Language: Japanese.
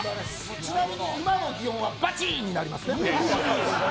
ちなみに今の擬音はバチーンになりますね。